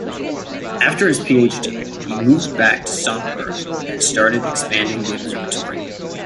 After his PhD, he moved back to Sonneberg and started expanding the observatory.